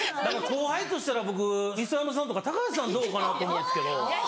後輩としたら僕磯山さんとか高橋さんはどうかなと思うんですけど。